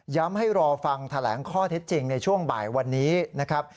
ให้รอฟังแถลงข้อเท็จจริงในช่วงบ่ายวันนี้นะครับ